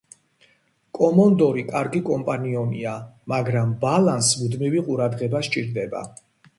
კომონდორი კარგი კომპანიონია, მაგრამ ბალანს მუდმივი ყურადღება სჭირდება.